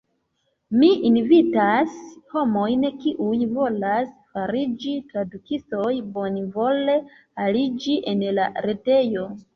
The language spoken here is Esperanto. Mi invitas homojn kiuj volas fariĝi tradukistoj bonvole aliĝi en la retejo.